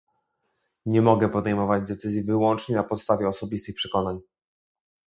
Nie mogę podejmować decyzji wyłącznie na podstawie osobistych przekonań